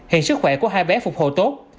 hiện sức khỏe của hai bé phục hồ tốt